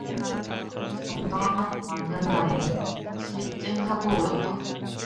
정당한 매를 맞는다는 듯이 쨍 하고 울었다.